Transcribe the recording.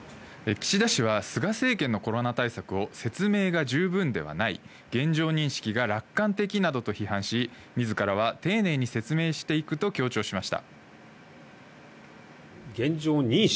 岸田氏は菅政権のコロナ対策を説明が十分ではない、現状認識が楽観的などと批判し自らは丁寧に説明していくと強調しました。